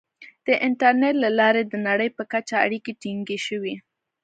• د انټرنیټ له لارې د نړۍ په کچه اړیکې ټینګې شوې.